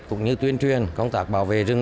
cũng như tuyên truyền công tác bảo vệ rừng